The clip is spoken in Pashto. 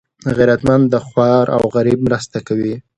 غیرتمند د خوار او غریب مرسته کوي